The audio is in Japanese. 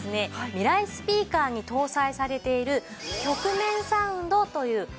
ミライスピーカーに搭載されている曲面サウンドという特許技術なんです。